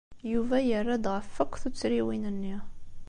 Yuba yerra-d ɣef akk tuttriwin-nni.